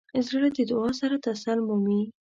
زړه د دعا سره تسل مومي.